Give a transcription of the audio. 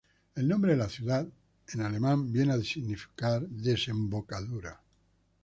El nombre de la ciudad en alemán viene a significar ‘desembocadura’.